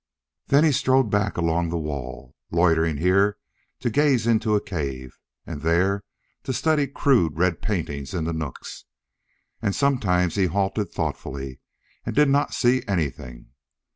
Then he strolled back along the wall, loitering here to gaze into a cave, and there to study crude red paintings in the nooks. And sometimes he halted thoughtfully and did not see anything.